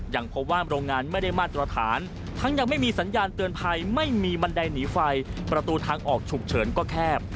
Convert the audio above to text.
ยังพบว่าโรงงานไม่ได้มาตรฐานทั้งยังไม่มีสัญญาณเตือนภัยไม่มีบันไดหนีไฟประตูทางออกฉุกเฉินก็แคบ